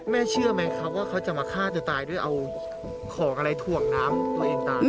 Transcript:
เชื่อไหมครับว่าเขาจะมาฆ่าตัวตายด้วยเอาของอะไรถ่วงน้ำตัวเองตาย